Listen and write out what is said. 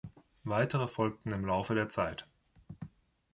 Weitere folgten im Laufe der Zeit.